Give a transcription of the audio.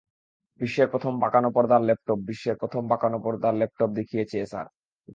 বিশ্বের প্রথম বাঁকানো পর্দার ল্যাপটপবিশ্বের প্রথম বাঁকানো পর্দার ল্যাপটপ দেখিয়েছে এসার।